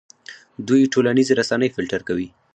دوی ټولنیزې رسنۍ فلټر کوي.